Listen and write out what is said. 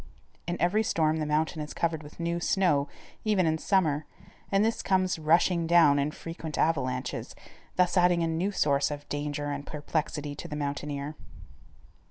In every storm the mountain is covered with new snow, even in summer, and this comes rushing down in frequent avalanches, thus adding a new source of danger and perplexity to the mountaineer.